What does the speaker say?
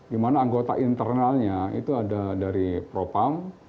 di mana anggota internalnya itu ada dari propam